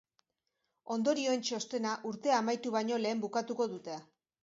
Ondorioen txostena urtea amaitu baino lehen bukatuko dute.